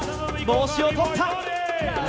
帽子を取った！